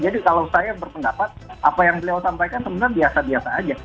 jadi kalau saya berpendapat apa yang beliau sampaikan sebenarnya biasa biasa saja